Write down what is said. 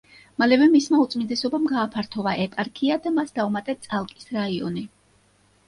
მალევე მისმა უწმიდესობამ გააფართოვა ეპარქია და მას დაუმატა წალკის რაიონი.